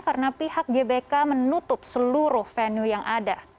karena pihak gbk menutup seluruh venue yang ada